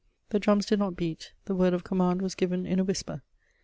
The drums did not beat; the word of command was given in a whisper.